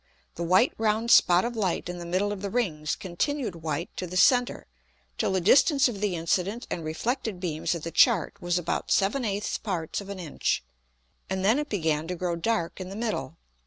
The white round Spot of Light in the middle of the Rings continued white to the center till the distance of the incident and reflected beams at the Chart was about 7/8 parts of an Inch, and then it began to grow dark in the middle.